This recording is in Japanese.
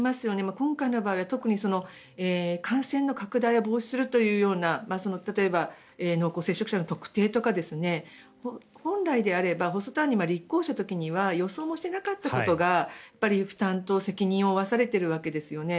今回の場合は特に感染の拡大を防止するというような例えば濃厚接触者の特定とか本来であればホストタウンに立候補した時に予想していなかったことが負担と責任を負わされているわけですよね。